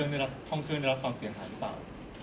ห้องเครื่องมาได้รับความเสียหายหรือเปล่า